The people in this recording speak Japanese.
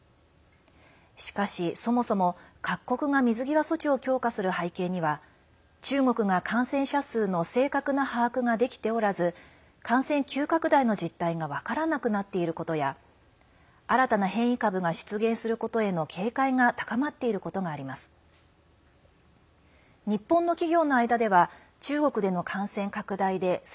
しかし、そもそも各国が水際措置を強化する背景には中国が感染者数の正確な把握ができておらず感染急拡大の実態が分からなくなっていることや新たな変異株が出現することへの警戒が高まっていることがあります。